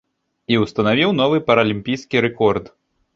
І ўстанавіў новы паралімпійскі рэкорд.